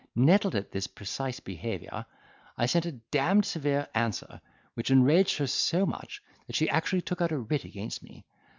Nettled at this precise behaviour, I sent a d—d severe answer, which enraged her so much that she actually took out a writ against me.